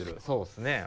そうっすね。